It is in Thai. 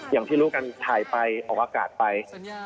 อย่างที่รู้กันถ่ายไปออกอากาศไป